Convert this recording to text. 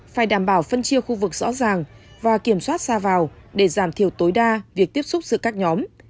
phải đảm bảo phân chia khu vực rõ ràng và kiểm soát xa vào để giảm thiểu tối đa việc tiếp xúc giữa các nhóm